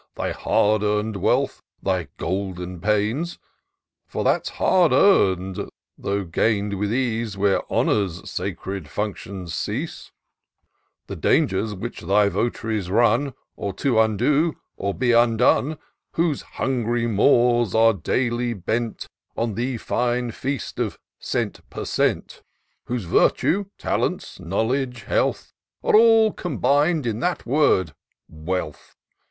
Thy hard earn'd wealth, thy golden pains, (For that*s hard eam'd, though gain'd with ease Where honour's sacred fiinctions cease,) The dangers which thy vot'ries run, Or to undo, or be undone ; Whose hungry maws are daily bent On the fine feast of cent, per cent. ; Whose virtue, talents, knowledge, health, Are all combin d in that word — wealth.